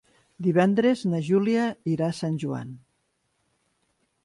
Divendres na Júlia irà a Sant Joan.